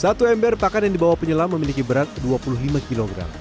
satu ember pakan yang dibawa penyelam memiliki berat dua puluh lima kg